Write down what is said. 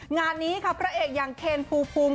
งานนี้ครับพระเอกอย่างเคนภูมิภูมิ